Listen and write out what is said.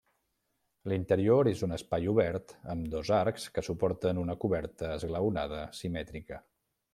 L'interior és un espai obert amb dos arcs que suporten una coberta esglaonada simètrica.